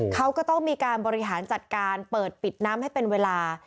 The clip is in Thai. เขาก็ต้องมีการบริหารจัดการเปิดปิดน้ำให้เป็นเวลา